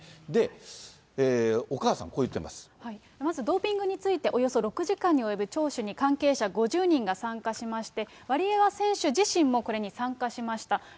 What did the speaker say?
まずドーピングについて、およそ６時間に及ぶ聴取に関係者５０人が参加しまして、ワリエワ選手自身もこれに参加しました。